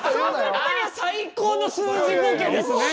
あ最高の数字ボケですね。